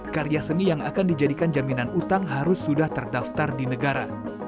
karya seni yang akan dijadikan jaminan utang harus sudah terdaftar di negara